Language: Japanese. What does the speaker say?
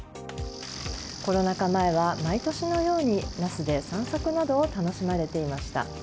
コロナ禍前は毎年のように那須で散策などを楽しまれていました。